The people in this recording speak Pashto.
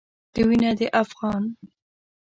ته وينه د افغان